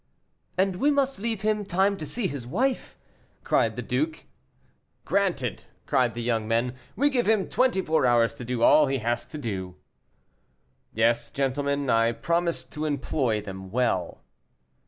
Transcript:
"And we must leave him time to see his wife," cried the duke. "Granted," cried the young men; "we give him twenty four hours to do all he has to do." "Yes, gentlemen, I promise to employ them well."